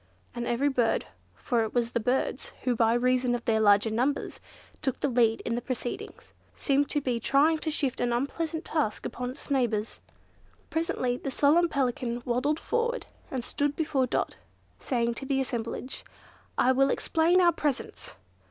and every bird—for it was the birds who by reason of their larger numbers took the lead in the proceedings—seemed to be trying to shift an unpleasant task upon its neighbours. Presently the solemn Pelican waddled forward and stood before Dot, saying to the assemblage, "I will explain our presence."